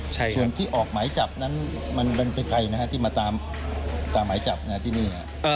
ส่วนที่ออกหมายจับนั้นมันเป็นใครนะฮะที่มาตามหมายจับที่นี่